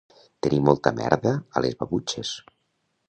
Tenir molta merda a les babutxes